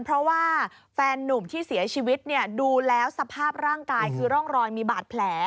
เพราะว่าแฟนนุ่มที่เสียชีวิตเนี่ยดูแล้วสภาพร่างกายคือร่องรอยมีบาดแผล